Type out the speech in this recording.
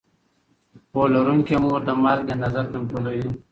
پوهه لرونکې مور د مالګې اندازه کنټرولوي.